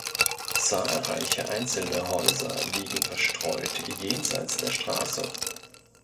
Zahlreiche einzelne Häuser liegen verstreut jenseits der Straße.